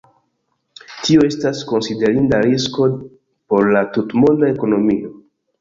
Tio estas konsiderinda risko por la tutmonda ekonomio.